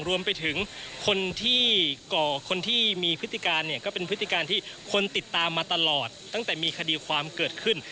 รวมไปถึงคนที่ก่อคนที่มีพฤติการเนี่ยก็เป็นพฤติการที่คนติดตามมาตลอดตั้งแต่มีคดีความเกิดขึ้น